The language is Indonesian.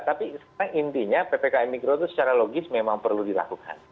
tapi sekarang intinya ppkm mikro itu secara logis memang perlu dilakukan